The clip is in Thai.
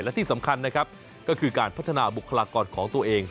และที่สำคัญนะครับก็คือการพัฒนาบุคลากรของตัวเอง